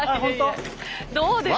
どうですか？